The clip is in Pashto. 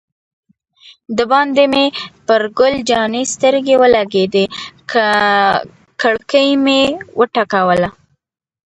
دباندې مې پر ګل جانې سترګې ولګېدې، کړکۍ مې و ټکول.